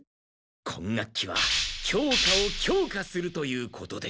今学期は教科を強化するということで。